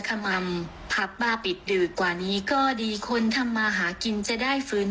ขม่ำผับบาปิดดึกกว่านี้ก็ดีคนทำมาหากินจะได้ฝืน